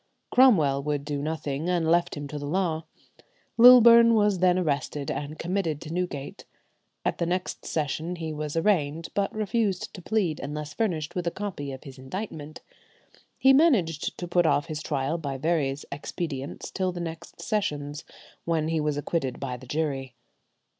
Cromwell would do nothing, and left him to the law. Lilburne was then arrested, and committed to Newgate. At the next sessions he was arraigned, but refused to plead unless furnished with a copy of his indictment. He managed to put off his trial by various expedients till the next sessions, when he was acquitted by the jury.